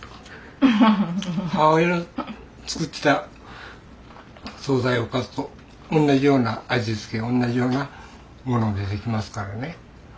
母親の作ってた総菜おかずと同じような味付け同じようなもの出てきますからね。